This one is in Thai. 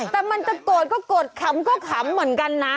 แต่มันจะโกรธก็โกรธขำก็ขำเหมือนกันนะ